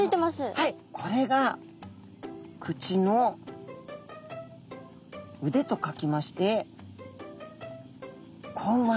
はいこれが口の腕と書きまして口腕。